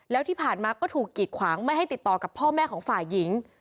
แล้วที่ผ่านมาก็ถูกกีดขวางไม่ให้ติดต่อกับพ่อแม่ของฝ่ายหญิง